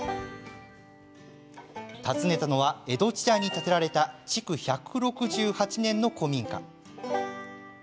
訪ねたのは江戸時代に建てられた築１６８年の古民家。